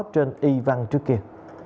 trên y văn trước kia